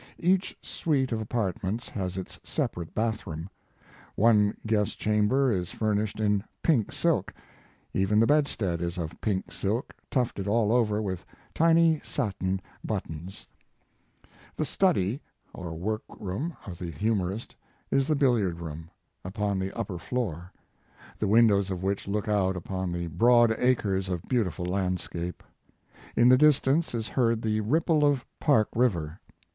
Each suite of apartments has its separate bathroom. One guest chamber is fur nished in pink silk; even the bedstead is of pink silk tufted all over with tiny satin buttons. Ifo Mark Twain The study or work room of the humor ist is the billiard room, upon the upper floor, the windows of which look out upon the broad acres of beautiful land scape. In the distance is heard the ripple of Park river.